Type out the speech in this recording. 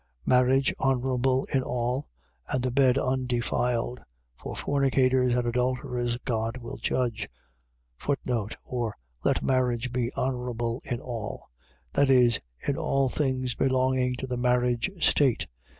13:4. Marriage honourable in all, and the bed undefiled. For fornicators and adulterers God will judge. Or, Let marriage be honourable in all. . .That is, in all things belonging to the marriage state.